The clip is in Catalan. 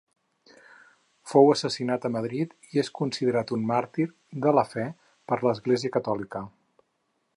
Fou assassinat a Madrid i és considerat un màrtir de la fe per l'Església Catòlica.